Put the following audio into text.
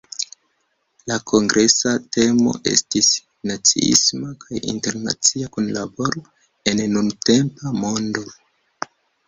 La kongresa temo estis "Naciismo kaj internacia kunlaboro en nuntempa mondo".